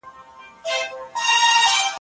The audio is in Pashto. واصله چي په زړو و په ذهنوکي يې اوسيږي